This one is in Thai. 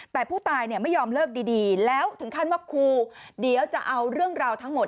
แต่ผู้ตายไม่ยอมเลิกดีแล้วถึงขั้นว่าครูเดี๋ยวจะเอาเรื่องราวทั้งหมด